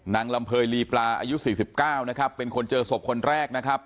นางลำเภยลีปลาอายุ๔๙นะครับเป็นคนเจอศพคนแรกนะครับ